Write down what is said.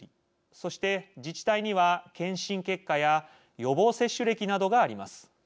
そして、自治体には検診結果や予防接種歴などがあります。